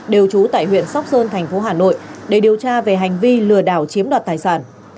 đều trú tại huyện sóc sơn thành phố hà nội để điều tra về hành vi lừa đảo chiếm đoạt tài sản